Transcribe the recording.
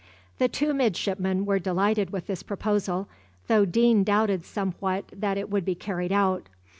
The two midshipmen were delighted with this proposal, though Deane doubted somewhat that it would be carried out.